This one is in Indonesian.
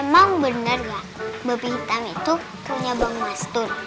emang bener gak babi hitam itu punya bang mastur